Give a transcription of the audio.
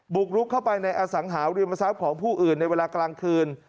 บุกลุกเข้าไปในอสังหาริมทรัพย์ของผู้อื่นในเวลากลางคืน